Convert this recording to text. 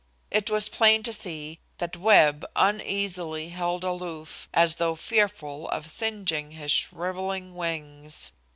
It was plain to see that Webb uneasily held aloof, as though fearful of singeing his shrivelling wings.